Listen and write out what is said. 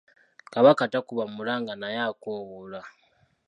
Kabaka takuba mulanga naye akoowoola.